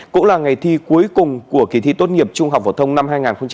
cũng là ngày thi cuối cùng của kỳ thi tốt nghiệp trung học phổ thông năm hai nghìn hai mươi